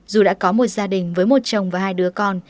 dù đã có một gia đình với một chồng và hai đứa con